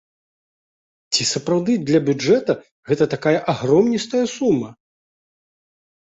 Ці сапраўды для бюджэту гэта такая агромністая сума?